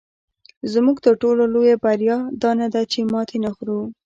زموږ تر ټولو لویه بریا دا نه ده چې ماتې نه خورو.